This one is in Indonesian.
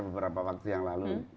beberapa waktu yang lalu